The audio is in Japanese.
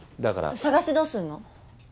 探してどうすんの？